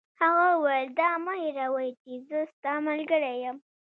هغه وویل: دا مه هیروئ چي زه ستا ملګری یم.